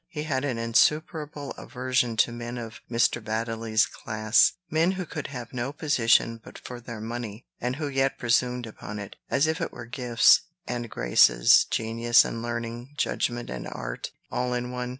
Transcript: He had an insuperable aversion to men of Mr. Baddeley's class, men who could have no position but for their money, and who yet presumed upon it, as if it were gifts and graces, genius and learning, judgment and art, all in one.